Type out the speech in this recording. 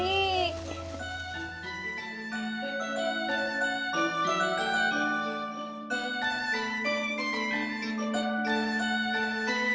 ini diwencard hungkit